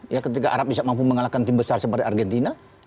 ya ketika arab bisa mampu mengalahkan tim besar seperti argentina